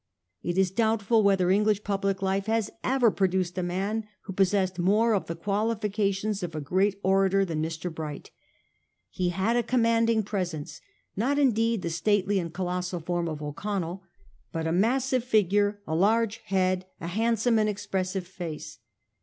It is doubtful whether English public life has ever produced a man who possessed more of the qualifications of a great orator than Mr. Bright. He had a commanding presence ; not indeed the stately and colossal form of O'Connell, but a massive figure, a large head, a handsome and expressive face.